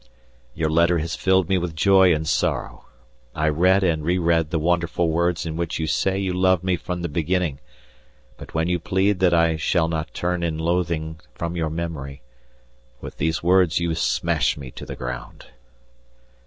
Your letter has filled me with joy and sorrow. I read and re read the wonderful words in which you say you loved me from the beginning, but when you plead that I shall not turn in loathing from your memory with these words you smash me to the ground.